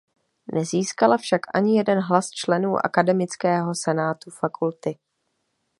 Nezískala však ani jeden hlas členů akademického senátu fakulty.